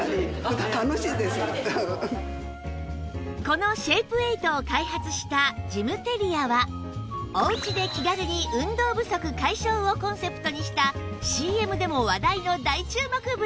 このシェイプエイトを開発したジムテリアは「おうちで気軽に運動不足解消」をコンセプトにした ＣＭ でも話題の大注目ブランド